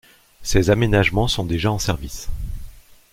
Ces aménagements sont déjà en service.